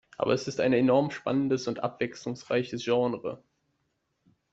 Aber es ist ein enorm spannendes und abwechslungsreiches Genre.